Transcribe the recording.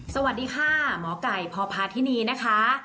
สวัสดีค่ะหมอไก่พพาธินีนะคะ